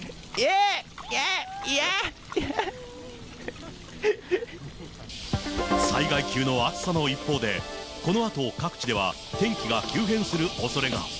いえー、災害級の暑さの一方で、このあと、各地では天気が急変するおそれが。